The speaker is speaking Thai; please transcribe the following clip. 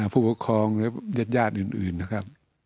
ผู้ปกครองและญาติญาติอื่นนะครับ